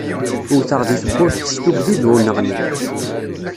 Wwteɣ di tewwurt s tuggdi d uneɣni.